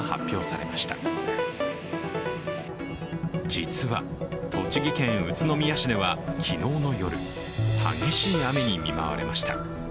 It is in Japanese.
実は、栃木県宇都宮市では昨日の夜激しい雨に見舞われました。